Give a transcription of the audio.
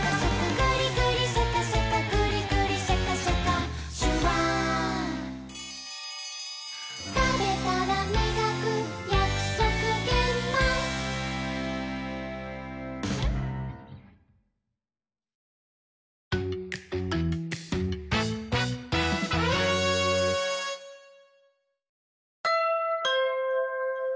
「グリグリシャカシャカグリグリシャカシャカ」「シュワー」「たべたらみがくやくそくげんまん」ピンポン。